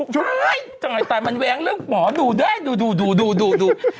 ชุบตายมันแว้งเรื่องหมอดูได้ดู